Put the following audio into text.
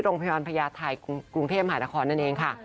โรงพยาบาลพญาติไทยกรุงเทพหายละครนั่นเองค่ะ